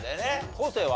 昴生は？